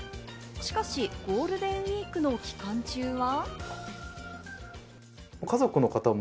しかしゴールデンウイークの期間中は。